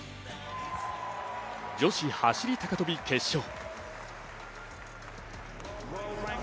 女子走高跳決勝。